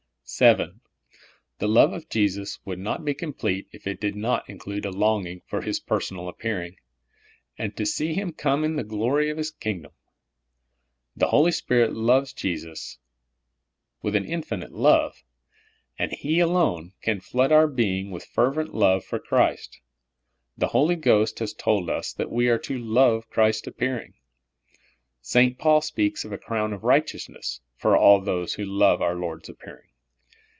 VII. The love of Jesus would not be complete if it did not include a longing for His personal appearing, and to see Him come in the glory of His kingdom. The Holy Spirit loves Jesus with an infinite love, and He alone can flood our being with fervent love for Christ ; and the Holy Ghost has told us that we are to '* love Christ's appearing. '' St. Paul speaks of a crown of righteousness for all those who love our Lord's ap pearing.